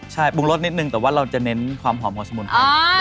ใช่ปรุงรสนิดนึงแต่ว่าเราจะเน้นความหอมของสมุนไพร